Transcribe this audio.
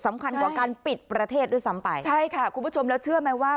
สำคัญกว่าการปิดประเทศด้วยซ้ำไปใช่ค่ะคุณผู้ชมแล้วเชื่อไหมว่า